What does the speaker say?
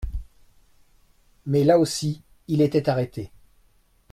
Mais, là aussi, il était arrêté.